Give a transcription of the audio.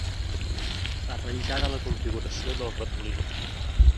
Arranjada la configuració del ratolí.